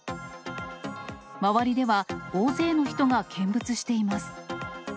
周りでは、大勢の人が見物しています。